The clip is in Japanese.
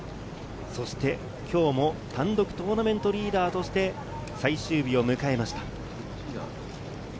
今日も単独トーナメントリーダーとして最終日を迎えました。